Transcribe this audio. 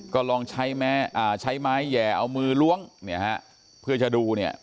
ก็ลองใช้ไม้แห่เอามือล้วงเนี่ยฮะเพื่อจะดูเนี่ย